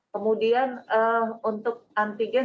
kemudian untuk antigen